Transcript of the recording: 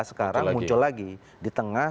sekarang muncul lagi di tengah